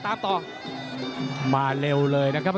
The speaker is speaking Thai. อนี้โปรแมตเตอร์มหาชนครับ